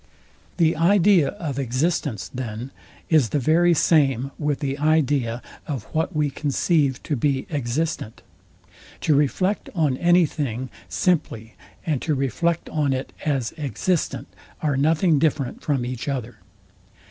The idea of existence, then, is the very same with the idea of what we conceive to be existent. To reflect on any thing simply, and to reflect on it as existent, are nothing different from each other.